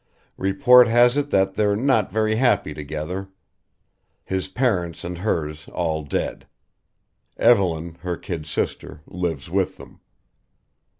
Report has it that they're not very happy together. His parents and hers all dead. Evelyn, her kid sister, lives with them.